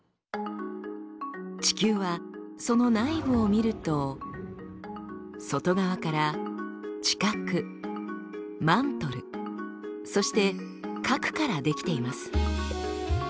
地球はその内部を見ると外側から地殻マントルそして核から出来ています。